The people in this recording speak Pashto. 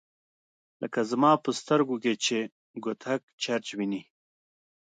لکه زما په سترګو کې چي “ګوتهک چرچ” ویني